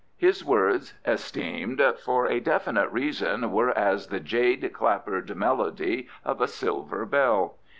His words, esteemed, for a definite reason were as the jade clappered melody of a silver bell.